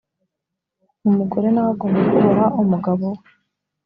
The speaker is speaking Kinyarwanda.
umugore na we agomba kubaha umugabo we